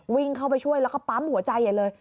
วิ่งเข้าไปช่วยแล้วก็ปั๊มหัวใจใหญ่เลย